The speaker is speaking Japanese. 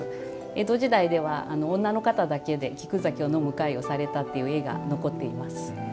江戸時代では女の方だけで菊酒を飲む会をされたという絵が残っています。